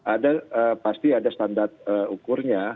ada pasti ada standar ukurnya